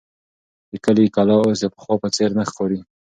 د کلي کلا اوس د پخوا په څېر نه ښکاري.